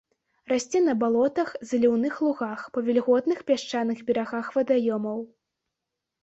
Расце на балотах, заліўных лугах, па вільготных пясчаных берагах вадаёмаў.